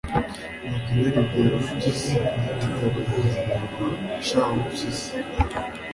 nuko intare ibwira warupyisi, itigabanya izi nyama sha warupyisi